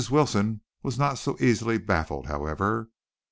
Wilson was not so easily baffled, however.